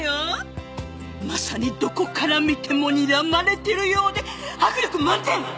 まさにどこから見てもにらまれてるようで迫力満点！